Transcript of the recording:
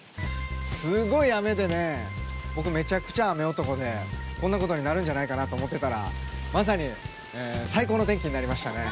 すごい雨でね、僕、めちゃくちゃ雨男で、こんなことになるんじゃないかなと思ってたらまさに最高の天気になりましたね。